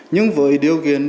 nhưng với điều kiện